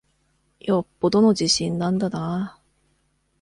よっぽどの自信なんだなぁ。